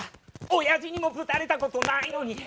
おやじにもぶたれたことないのに。